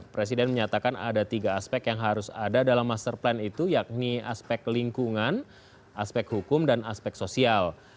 presiden menyatakan ada tiga aspek yang harus ada dalam master plan itu yakni aspek lingkungan aspek hukum dan aspek sosial